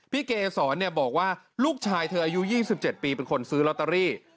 พี่เกย์สอนเนี่ยบอกว่าลูกชายเธออายุ๒๗ปีเป็นคนซื้อลอตเตอรี่